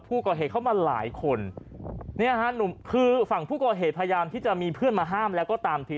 ผู้ก่อเหตุเข้ามาหลายคนนี่ฮะคือฝั่งผู้ก่อเหตุพยายามที่จะมีเพื่อนมาห้ามแล้วก็ตามที